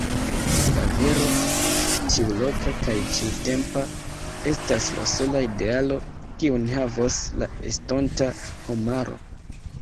La vero, ĉiuloka kaj ĉiutempa, estas la sola idealo, kiun havos la estonta homaro.